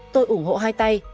tôi ủng hộ hai tay